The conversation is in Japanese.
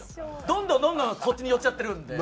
どんどんどんどんこっちに寄っちゃってるんで。